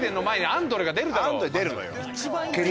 アンドレ出るのよ。